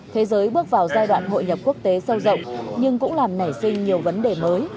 thế giới bước vào giai đoạn hội nhập quốc tế sâu rộng nhưng cũng làm nảy sinh nhiều vấn đề mới